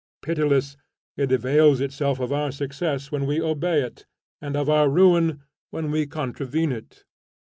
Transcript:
Pitiless, it avails itself of our success when we obey it, and of our ruin when we contravene it.